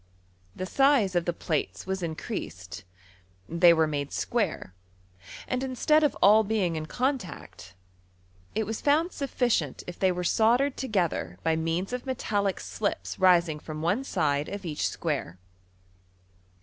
The size of the plates was increased; they were made square, and instead of all being in contact, it was found sufficient if they were st^darcd together by means of metallic slips rising from one side of each square.